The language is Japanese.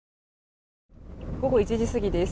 午後１時過ぎです。